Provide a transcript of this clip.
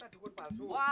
mau ke kantor